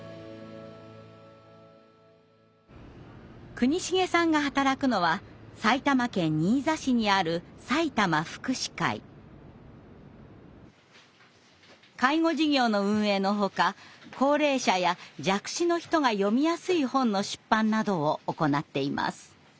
国重さんが働くのは介護事業の運営のほか高齢者や弱視の人が読みやすい本の出版などを行っています。